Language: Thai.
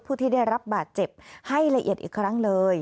ผู้ที่ได้รับบาดเจ็บให้ละเอียดอีกครั้งเลย